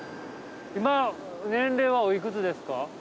今年齢はおいくつですか？